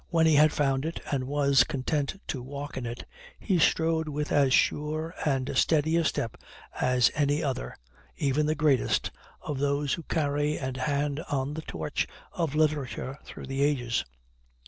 When he had found it, and was content to walk in it, he strode with as sure and steady a step as any other, even the greatest, of those who carry and hand on the torch of literature through the ages.